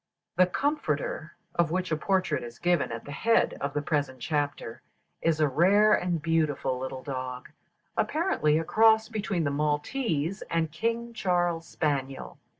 The Comforter, of which a portrait is given at the head of the present chapter, is a rare and beautiful little dog, apparently a cross between the Maltese and King Charles spaniel.